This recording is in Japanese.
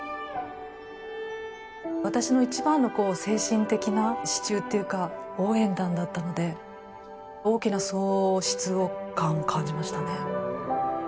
私の一番の精神的な支柱っていうか応援団だったので大きな喪失感を感じましたね。